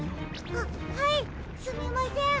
あっはいすみません。